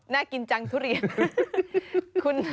น่ากินจังทุเรียน